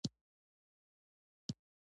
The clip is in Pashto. لرګی د قران د رحل جوړولو لپاره کاریږي.